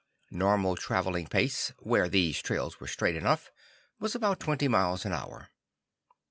Normal traveling pace, where these trails were straight enough, was about twenty miles an hour.